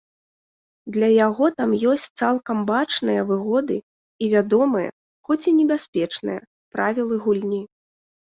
Для яго там ёсць цалкам бачныя выгоды і вядомыя, хоць і небяспечныя, правілы гульні.